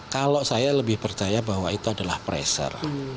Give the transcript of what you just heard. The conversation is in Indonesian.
kalau saya lebih percaya bahwa itu adalah pressure